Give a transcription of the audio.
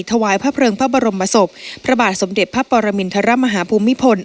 ถวายพระเพลิงพระบรมศพพระบาทสมเด็จพระปรมินทรมาฮาภูมิพล